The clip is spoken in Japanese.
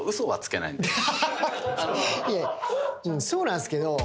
そうなんすけど。